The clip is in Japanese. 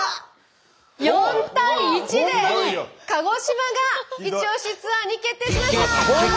４対１で鹿児島がイチオシツアーに決定しました。